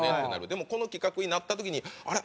でもこの企画になった時にあら？